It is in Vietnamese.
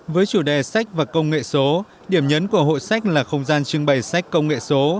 với chủ đề sách và công nghệ số điểm nhấn của hội sách là không gian trưng bày sách công nghệ số